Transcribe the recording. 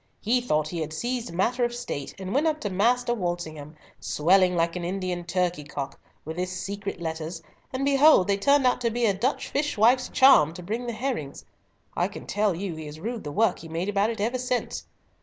He thought he had seized matter of State, and went up to Master Walsingham, swelling like an Indian turkey cock, with his secret letters, and behold they turned out to be a Dutch fishwife's charm to bring the herrings. I can tell you he has rued the work he made about it ever since.